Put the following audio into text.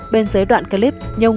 bên dưới đoạn clip nhung